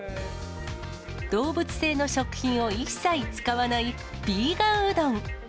動物性の食品を一切使わない、ヴィーガンうどん。